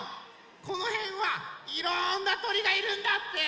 このへんはいろんなとりがいるんだって。